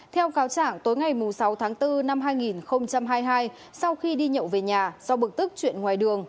theo cáo trạng tối ngày sáu tháng bốn năm hai nghìn hai mươi hai sau khi đi nhậu về nhà do bực tức chuyện ngoài đường